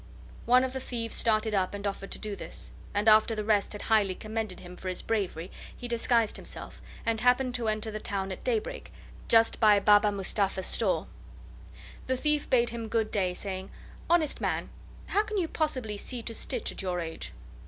One of the thieves started up and offered to do this, and after the rest had highly commended him for his bravery he disguised himself, and happened to enter the town at daybreak, just by Baba Mustapha's stall. The thief bade him good day, saying: "Honest man, how can you possibly see to stitch at your age?"